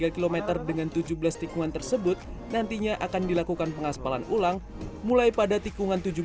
tiga km dengan tujuh belas tikungan tersebut nantinya akan dilakukan pengaspalan ulang mulai pada tikungan